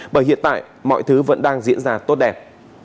bởi hiện tại mọi thứ vẫn đang diễn ra tốt đẹp